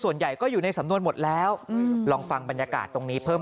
ส่วนใหญ่ก็อยู่ในสำนวนหมดแล้วลองฟังบรรยากาศตรงนี้เพิ่ม